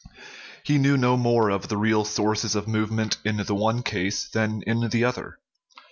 He knew no more of the real sources of movement in the one case than in the other.